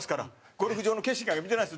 ゴルフ場の景色なんて見てないですよ。